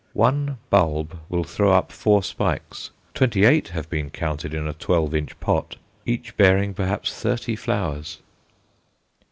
One bulb will throw up four spikes twenty eight have been counted in a twelve inch pot each bearing perhaps thirty flowers.